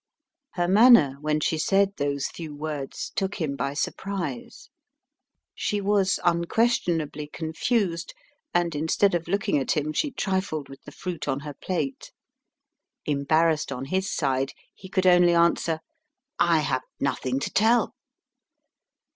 Her manner, when she said those few words, took him by surprise. She was unquestionably confused, and, instead of looking at him, she trifled with the fruit on her plate. Embarrassed on his side, he could only answer: "I have nothing to tell."